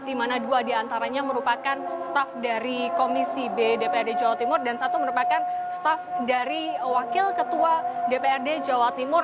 di mana dua diantaranya merupakan staff dari komisi b dprd jawa timur dan satu merupakan staff dari wakil ketua dprd jawa timur